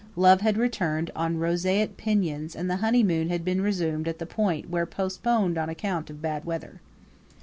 Love had returned on roseate pinions and the honeymoon had been resumed at the point where postponed on account of bad weather.